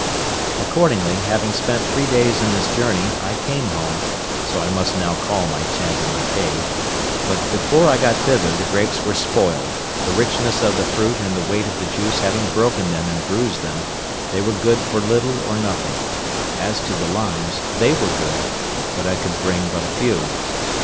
Accordingly, having spent three days in this journey, I came home (so I must now call my tent and my cave); but before I got thither the grapes were spoiled; the richness of the fruit and the weight of the juice having broken them and bruised them, they were good for little or nothing; as to the limes, they were good, but I could bring but a few.